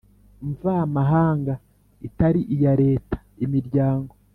mvamahanga itari iya Leta imiryango